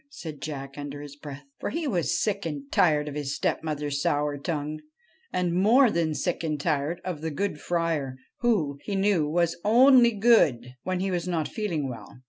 ' said Jack under his breath, for he was sick and tired of his stepmother's sour tongue, and more than sick and tired of the good Friar, who, he knew, was only ' good ' when he was not feeling well.